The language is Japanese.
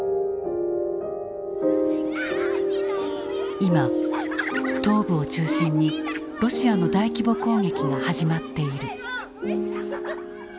今東部を中心にロシアの大規模攻撃が始まっている。